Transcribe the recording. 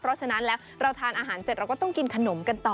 เพราะฉะนั้นแล้วเราทานอาหารเสร็จเราก็ต้องกินขนมกันต่อ